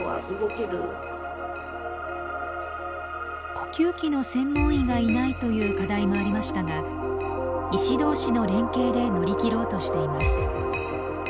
呼吸器の専門医がいないという課題もありましたが医師どうしの連携で乗り切ろうとしています。